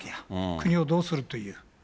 国をどうするという。